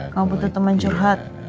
kalau butuh teman curhat